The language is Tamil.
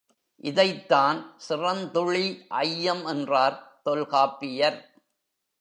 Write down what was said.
இதைத்தான் சிறந்துழி ஐயம் என்றார் தொல்காப்பியர்.